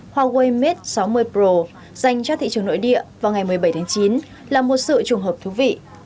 huawei mate sáu mươi pro dành cho thị trường nội địa vào ngày một mươi bảy tháng chín là một sự trùng hợp thú vị